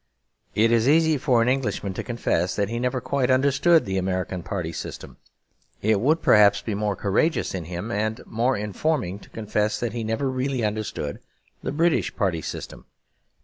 It is easy for an Englishman to confess that he never quite understood the American Party System. It would perhaps be more courageous in him, and more informing, to confess that he never really understood the British Party System.